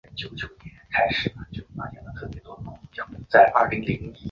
尖尾弄蝶属是弄蝶科竖翅弄蝶亚科中的一个属。